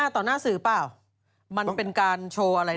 ต่อหน้าสื่อเปล่ามันเป็นการโชว์อะไร